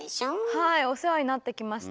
はいお世話になってきました。